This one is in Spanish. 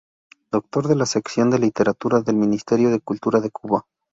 Doctor de la Sección de Literatura del Ministerio de Cultura de Cuba.